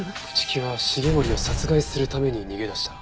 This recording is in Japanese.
朽木は繁森を殺害するために逃げ出した。